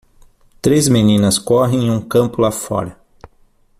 Três meninas correm em um campo lá fora.